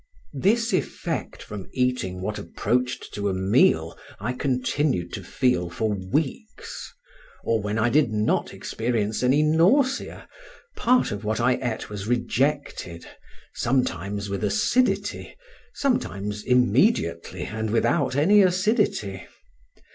This effect from eating what approached to a meal I continued to feel for weeks; or, when I did not experience any nausea, part of what I ate was rejected, sometimes with acidity, sometimes immediately and without any acidity.